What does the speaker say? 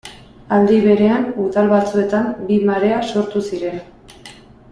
Aldi berean, udal batzuetan bi marea sortu ziren.